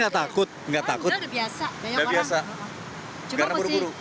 takut ketabrak serentet gitu